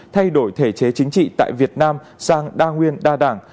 thay đổi thể chế chính trị tại việt nam sang đa nguyên đa đảng